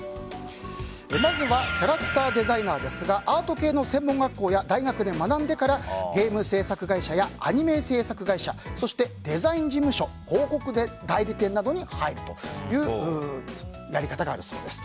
まずはキャラクターデザイナーですがアート系の専門学校や大学で学んでからゲーム制作会社やアニメ制作会社デザイン事務所広告代理店などに入るというやり方があるそうです。